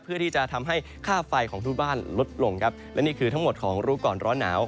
เพื่อที่จะทำให้ค่าไฟของทุกบ้านลดลงครับและนี่คือทั้งหมดของรู้ก่อนร้อนหนาว